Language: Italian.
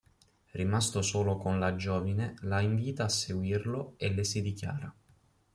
Rimasto solo con la giovine la invita a seguirlo e le si dichiara.